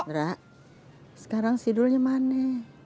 nera sekarang sidulnya mana